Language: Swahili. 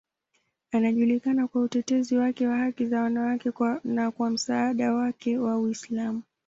Anajulikana kwa utetezi wake wa haki za wanawake na kwa msaada wake wa Uislamu.